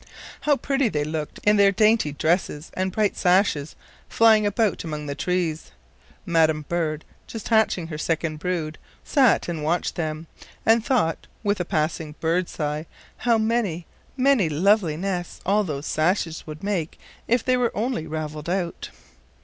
How pretty they looked in their dainty dresses and bright sashes flying about among the trees. Madam bird, just hatching her second brood, sat and watched them, and thought, with a passing bird sigh, how many, many lovely nests all those sashes would make if they were only raveled out.